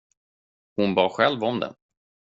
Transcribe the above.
Hon bad själv om det.